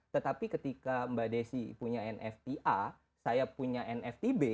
tetapi ketika mbak desi punya nfta saya punya nft b